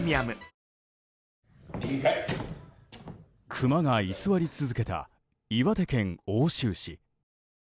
クマが居座り続けた岩手県奥州市。